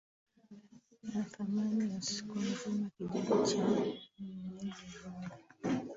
na thamani ya siku nzima Kijiji cha medieval